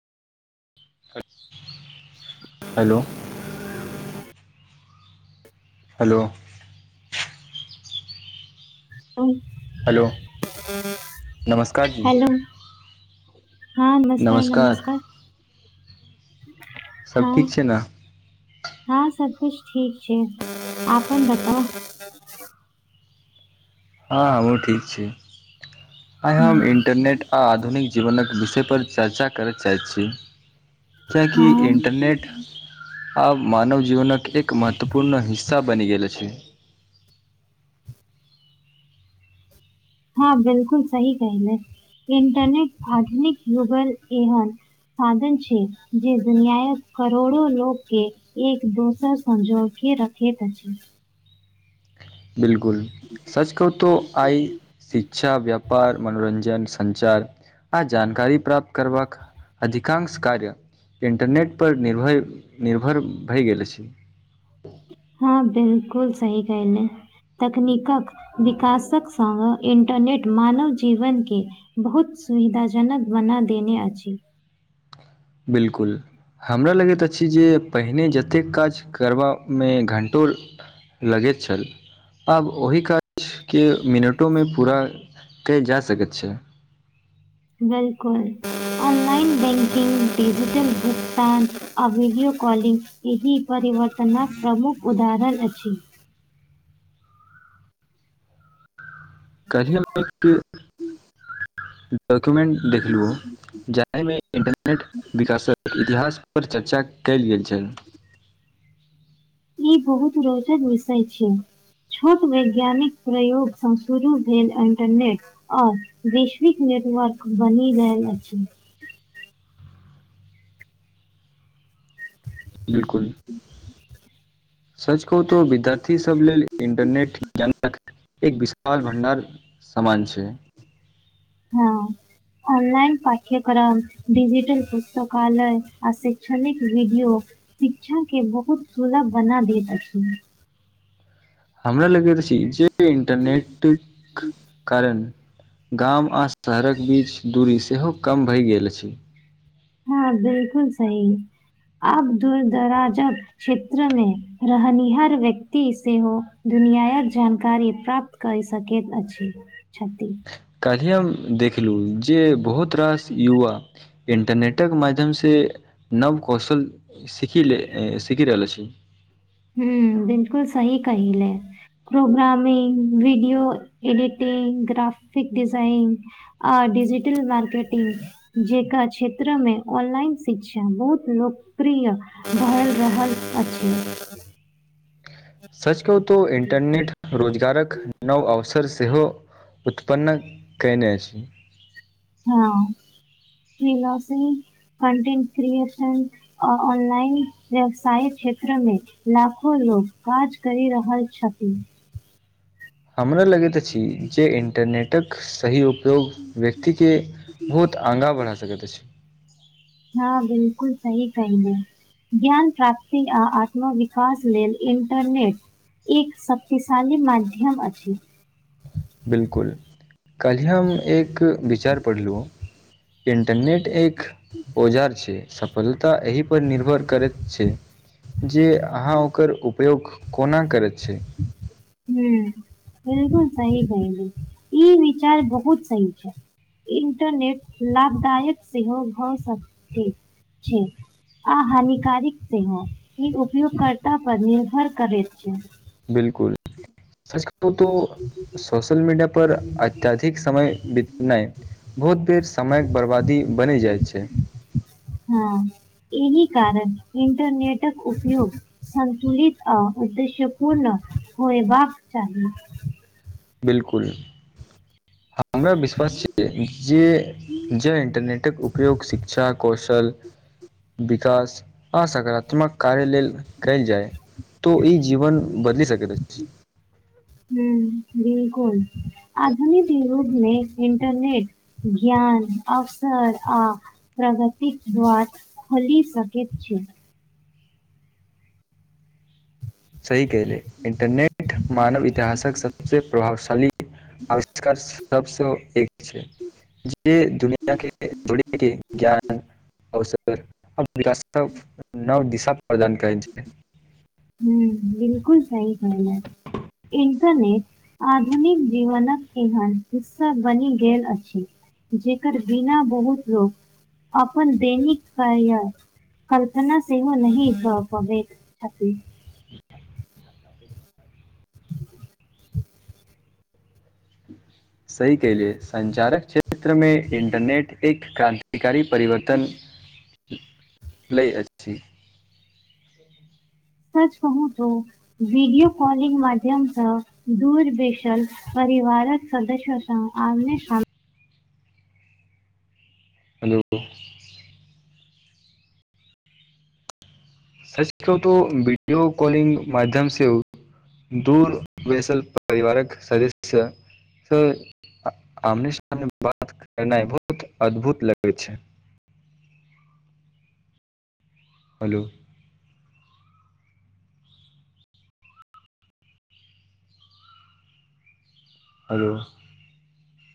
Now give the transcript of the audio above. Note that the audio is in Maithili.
हेलो हेलो हेलो नमस्कार जी हेलो हँ नमस्कार नमस्कार सब हँ ठीक छै ने हँ सबकुछ ठीक छै आपन बताउ ह [unintelligible] हँ हमहुँ ठीक छी आइ हुँ, हम इंटरनेट आ आधुनिक जीवनक विषयपर चर्चा करय चाहै छी किएकि हँ इन्टरनेट आब मानव जीवनक एक महत्वपूर्ण हिस्सा बनि गेल अछि हँ बिल्कुल सही कहले इंटरनेट आधुनिक यूगल एहन साधन छी जे दुनियायक करोड़ो लोग के एक दोसर संग जोड़ के रखैत अछि बिल्कुल सच कहु तो आइ शिक्षा व्यापार मनोरञ्जन सञ्चार आ जानकारी प्राप्त करबाक अधिकांश कार्य इन्टरनेटपर निर्भय निर्भर भए गेल अछि हँ बिल्कुल सही कहले तकनीकक विकासक संगङ्ग इंटरनेट मानव जीवनके बहुत सुविधाजनक बना देने अछि बिल्कुल हमरा लगैत अछि जे पहिने जतेक काज करबामे घण्टो लगैत छल आब ओहि काजके मिनटोमे पूरा कयल जा सकैत छै बिल्कुल ऑनलाइन बैंकिंग डिजिटल भुगतान आ वीडियो कॉलिंग एहि परिवर्तनक प्रमुख उदाहरण अछि [inaudible] डॉक्यूमेंट देखलु जाहि में इंटरनेट विकास क इतिहास पर चर्चा कयल गेल छल इ बहुत रोचक विषय छै छोट वैज्ञानिक प्रयोग स शुरू भेल इन्टरनेट आओर वैश्विक नेटवर्क बनि रहल अछि। बिलकुल [unintelligible] सच कहु त विद्यार्थी सब लेल इंटरनेट ज्ञानक एक विशाल भण्डार समान छै। हँ आनलाइन पाठ्यक्रम डिजिटल पुस्तकालय आ शैक्षणिक वीडियो शिक्षा के बहुत सुलभ बना देैत अछि हमरा लगैत अछि जे इंटरनेटक कारन गाम आ शहरक बीच दूरी सेहो कम भए गेल अछि। हँ बिल्कुल सही आब दूर दराजक क्षेत्र मे रहनिहार व्यक्ति सेहो दुनियायक जानकारी प्राप्त कय सकैत अछि, छथि काल्हिय हम देखलो जे बहुत रास युवा इंटरनेटक माध्यमसँ नव कौशल सीखी सीखि रहल अछि हू बिल्कुल सही कयले programming video editing graphic design आ डिजिटल मार्केटिंग जेकरा क्षेत्रमे ऑनलाइन शिक्षा बहुत लोकप्रिय भए रहल अछि सच कहू तऽ इंटरनेट रोजगारक नव अवसर सेहो उत्पन्न कयने अछि हँ इ बात सही हर दिन क्रियेशन अ ऑनलाइन व्यवसाय क्षेत्र मे लाखो लोग काज करी रहल छथि हमरा लगैत अछि जे इंटरनेटक सही उप योग व्यक्तिके बहुत आगाँ बढ़ा सकैत अछि हँ बिलकुल सही कहिने ज्ञान प्राप्ति आ आत्म विकास लेल इंटरनेट एक शक्तिशाली माध्यम अछि बिल्कुल कल्हि हम एक विचार पढ़लहुँ इंटरनेट एक औजार छै सफलता एहि पर निर्भर करैत छै जे अहाँ ओकर उपयोग कोना करैत छी हूँ बिलकुल सही कहली ई विचार बहुत सही छै इंटरनेट लाभदायक सेहो भऽ सकते छै आ हानिकारिक सेहो ई उपयोगकर्ता पर निर्भर करैत छै बिलकुल सच कहूं तो [inaudible] सोशल मीडिया पर अत्यधिक समय बितौनाय बहुत बेर समयक बरबादी बनि जाइ छै हँ एहि कारन इंटरनेटक उपयोग संतुलित आ उद्देश्य पूर्ण होयबाक चाही बिलकुल हमरा विश्वास छय जे जे इन्टरनेटक उपयोग शिक्षा कौशल विकास आ सकारात्मक कार्य लेल कयल जाय तऽ ई जीवन बदलि सकैत अछि हुँ बिलकुल आधुनिक युगमे इंटरनेट ज्ञान अवसर आ प्रगतिक द्वार खोली सकेत छी सही कहिले इंटरनेट मानव इतिहासक सबसे प्रभावशाली [inaudible] आविष्कार सबसँ एक जे दुनिया के जोड़ी [inaudible] के ज्ञान औस [inaudible] [inaudible] नव दिशा प्रदान करै छै हम्म बिलकुल सही कहला इंटरनेट आधुनिक जीवनक केहन हिस्सा बनि गेल अछि जेकर बिना बहुत लोक अपन दैनिक कार्यक कल्पना सेहो नहि भ पबैत [unintelligible] सही केहले संच्चारक क्षेत्रमे इंटरनेट एक क्रानतिकारी परिवर्तन लै अछि [inaudible] सच कहू तऽ भीडियओ कॉलिंग मध्यमसँ दूर बेसल परिवारक सदस्य स आमने सामने हेलो। सच कहो तो वीडियो कॉलिग माध्यम से दूर बैसल परिवारकऽ सदस्य से आमने सामने बात केनाई बहुत अद्भुत लगै छै हेलो। आरो